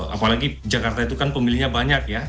apalagi jakarta itu kan pemilihnya banyak ya